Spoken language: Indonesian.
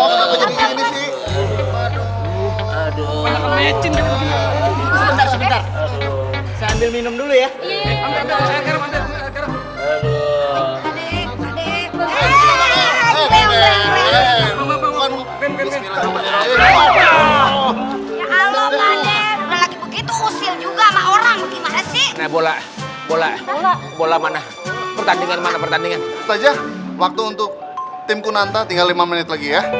ya allah bola mana pertandingan pertandingan saja waktu untuk tim kunanta tinggal lima menit lagi ya